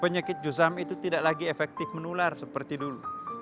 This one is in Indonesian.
penyakit juzam itu tidak lagi efektif menular seperti dulu